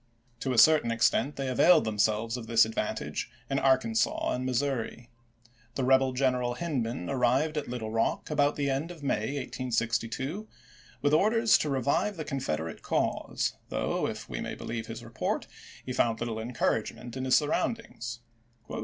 To a certain extent they availed themselves of this advantage in Arkansas and Missouri. The rebel general Hindman arrived at Little Rock about the end of May, 1862, with orders to revive the Confederate cause, though, if we may believe his report, he found little encourage ment in his surroundings.